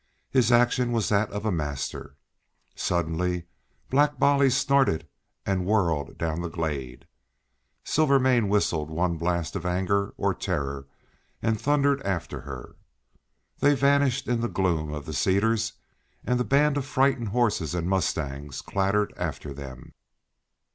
His action was that of a master. Suddenly Black Bolly snorted and whirled down the glade. Silvermane whistled one blast of anger or terror and thundered after her. They vanished in the gloom of the cedars, and the band of frightened horses and mustangs clattered after them.